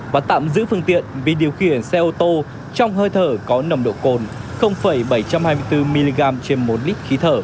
và tạm giữ phương tiện vì điều khiển xe ô tô trong hơi thở có nồng độ cồn bảy trăm hai mươi bốn mg trên một lít khí thở